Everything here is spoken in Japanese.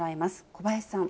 小林さん。